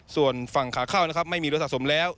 ส่วนฝั่งขาเข้านะครับไม่มีรถสะสมแล้ว